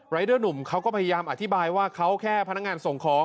เดอร์หนุ่มเขาก็พยายามอธิบายว่าเขาแค่พนักงานส่งของ